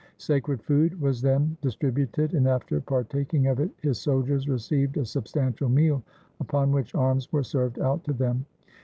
Sacred food was then distributed, and after partaking of it his soldiers received a substantial meal, upon which arms were served out to them.